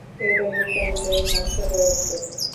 এটা নিতান্তই হাস্যকর অভিযোগ।